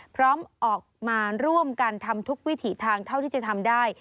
พร้อมออกมาร่วมกันทำทุกวิถีทางเท่าที่จะทำได้